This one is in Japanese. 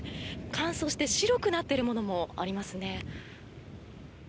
乾燥して白くなっているものもありますね。